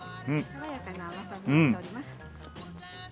爽やかな甘さになっております。